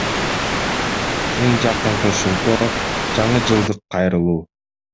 Эң жакынкы шылтоо — жаңы жылдык кайрылуу.